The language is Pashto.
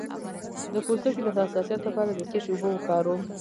د پوستکي د حساسیت لپاره د څه شي اوبه وکاروم؟